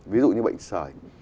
ví dụ như bệnh sở